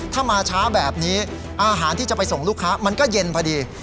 ถ้ามาช้าแบบนี้อาหารที่จะไปส่งลูกค้ามันก็เย็นพอดี